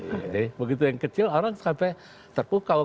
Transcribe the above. jadi begitu yang kecil orang sampai terpukau